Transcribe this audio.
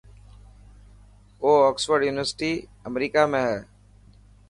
اوڪسفرڊ يونيورسٽي امريڪا ۾ هي.